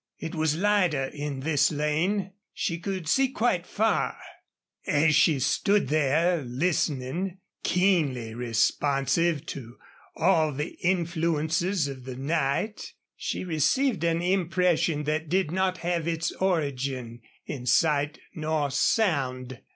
It was lighter in this lane; she could see quite far. As she stood there, listening, keenly responsive to all the influences of the night, she received an impression that did not have its origin in sight nor sound.